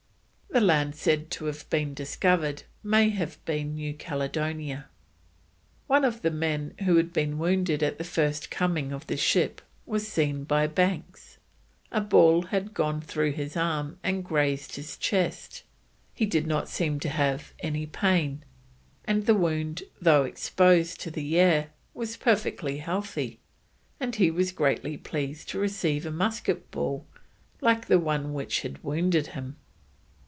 The land said to have been discovered may have been New Caledonia. One of the men who had been wounded at the first coming of the ship was seen by Banks. A ball had gone through his arm and grazed his chest. He did not seem to have any pain, and the wound though exposed to the air, was perfectly healthy, and he was greatly pleased to receive a musket ball like the one which had wounded him.